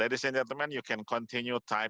anda bisa terus menyalakan di ruang chat